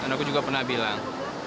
dan aku juga pernah bilang